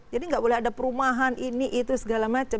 jadi nggak boleh ada perumahan ini itu segala macam